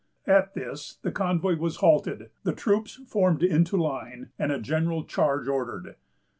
At this, the convoy was halted, the troops formed into line, and a general charge ordered.